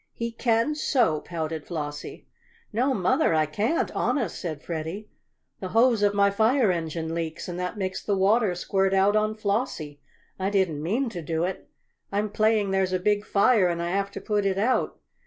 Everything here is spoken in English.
"He can so!" pouted Flossie. "No, Mother! I can't, honest," said Freddie. "The hose of my fire engine leaks, and that makes the water squirt out on Flossie. I didn't mean to do it. I'm playing there's a big fire and I have to put it out.